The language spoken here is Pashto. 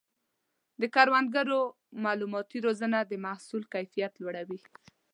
د کروندګرو مالوماتي روزنه د محصول کیفیت لوړوي.